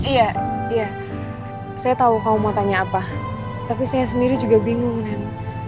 iya iya saya tahu kamu mau tanya apa tapi saya sendiri juga bingung nan